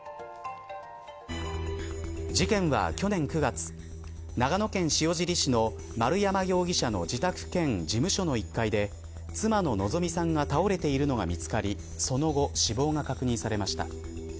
事件は、去年９月長野県塩尻市の丸山容疑者の自宅兼事務所の１階で妻の希美さんが倒れているのが見つかりその後、死亡が確認されました。